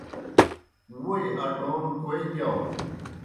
ووئی اٹون کوئے گِیاؤن؟